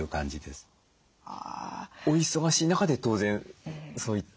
お忙しい中で当然そういった。